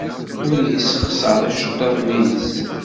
Ur yessexṣer iceḍḍiḍen-nnes.